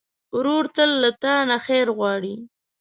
ورور تل له تا نه خیر غواړي.